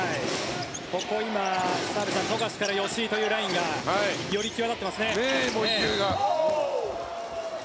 ここ今、澤部さん富樫から吉井というラインがより際立っていますね。